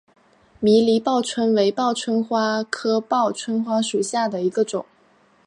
迷离报春为报春花科报春花属下的一个种。